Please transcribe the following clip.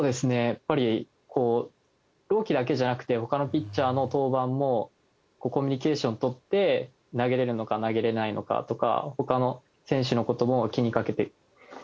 やっぱりこう朗希だけじゃなくて他のピッチャーの登板もコミュニケーション取って投げれるのか投げれないのかとか他の選手の事も気にかけてくださってました。